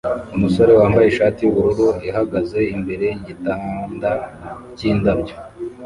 umusore wambaye ishati yubururu ihagaze imbere yigitanda cyindabyo